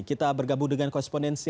kita bergabung dengan konsponensi